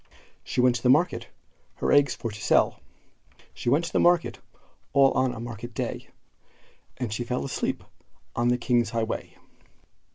She went to the market her eggs for to sell; She went to the market, all on a market day, And she fell asleep on the king's highway.